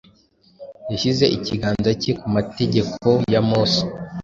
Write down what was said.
Yashyize ikiganza cye ku mategeko ya Mose